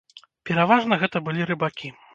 Пераважна гэта былі рыбакі.